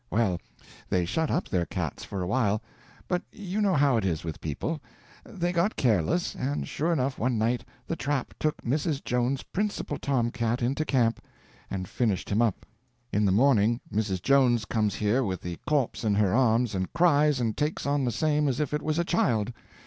Well, they shut up their cats for a while, but you know how it is with people; they got careless, and sure enough one night the trap took Mrs. Jones's principal tomcat into camp and finished him up. In the morning Mrs. Jones comes here with the corpse in her arms, and cries and takes on the same as if it was a child.